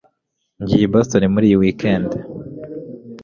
ngiye i boston muri iyi weekend